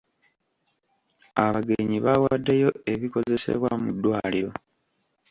Abagenyi baawaddeyo ebikozesebwa mu ddwaliro.